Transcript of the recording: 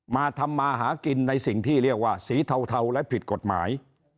มาทำมาหากินในสิ่งที่เรียกว่าสีเทาและผิดกฎหมาย